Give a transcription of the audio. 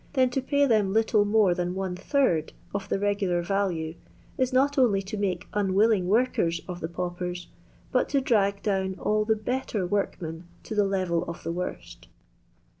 then to pay them little more than one third of the regular value is not only to make unwilling woriEen of the paupers, but to drag down all the better workmen to the level of the worst.